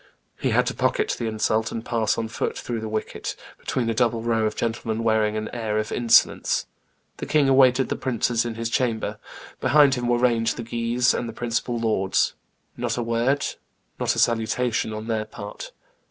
He had to pocket the insult, and pass on foot through the wicket, between a double row of gentlemen wearing an air of insolence. The king awaited the princes in his chamber; behind him were ranged the Guises and the principal lords; not a word, not a salutation on their part.